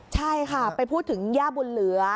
ใช่ค่ะไปพูดถึงย่าบุญเหลือ